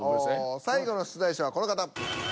最後の出題者はこの方。